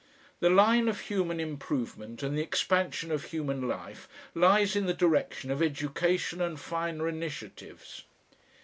The line of human improvement and the expansion of human life lies in the direction of education and finer initiatives.